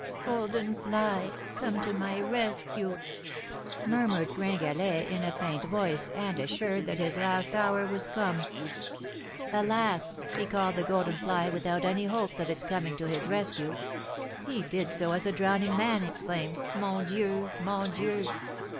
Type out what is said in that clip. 'Golden fly, come to my rescue!' murmured Gringalet, in a faint voice, and assured that his last hour was come. Alas! he called the golden fly without any hopes of its coming to his rescue; he did so as a drowning man exclaims, '_Mon Dieu! mon Dieu!